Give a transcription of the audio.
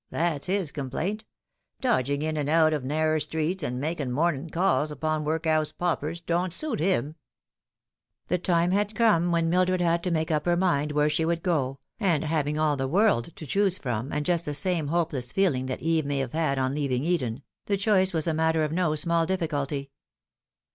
That's his complaint. Dodging in and out of narrer streets, and makiu' mornin' calls upon work'ouse paupers, don't suit him" The time had come when Mildred had to make up her mind where she would go, and having all the world to choose from, and just the same hopeless feeling that Eve may have had on leaving Eden, the choice was a matter of no small difficulty.